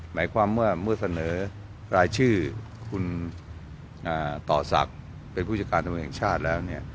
หมายความว่าเมื่อเสนอรายชื่อคุณต่อศักดิ์เป็นผู้จัดการตำรวจแห่งชาติแล้ว